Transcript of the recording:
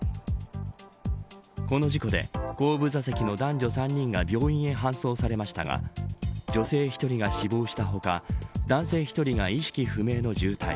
この事故で後部座席の男女３人が病院へ搬送されましたが女性１人が死亡した他男性１人が意識不明の重体